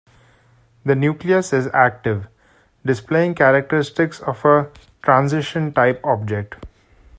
The nucleus is active, displaying characteristics of a "transition" type object.